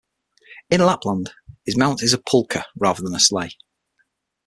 In Lapland, his mount is a "pulkka" rather than a sleigh.